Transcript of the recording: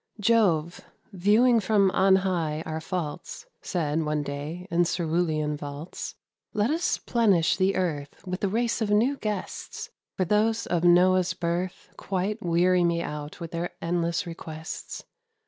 Jove, viewing from on high our faults, Said, one day, in Cerulean vaults, "Let us 'plenish the earth With a race of new guests; For those of Noah's birth Quite weary me out with their endless requests.